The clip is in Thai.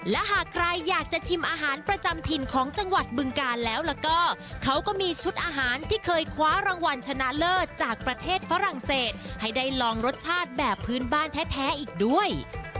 และหากใครอยากจะชิมอาหารประจำถิ่นของจังหวัดบึงกาลแล้วก็เขาก็มีชุดอาหารที่เคยคว้ารางวัลชนะเลิศจากประเทศฝรั่งเศสให้ได้ลองรสชาติแบบพื้นบ้านแท้อีกด้วย